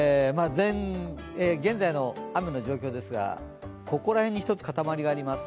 現在の雨の状況ですが、ここら辺に１つ固まりがあります。